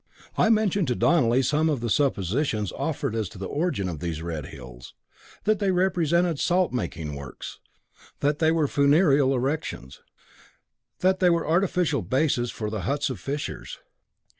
I mentioned to Donelly some of the suppositions offered as to the origin of these Red Hills; that they represented salt making works, that they were funereal erections, that they were artificial bases for the huts of fishers.